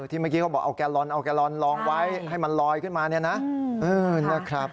ที่เมื่อกี้เขาบอกเอาแกโรนลองไว้ให้มันลอยขึ้นมาเนี่ยนะ